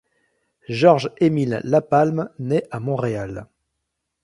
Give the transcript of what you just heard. Georges-Émile Lapalme naît à Montréal.